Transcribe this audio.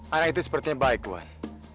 anak itu sepertinya baik tuhan